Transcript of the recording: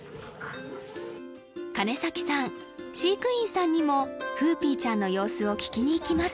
金さん飼育員さんにもフーピーちゃんの様子を聞きに行きます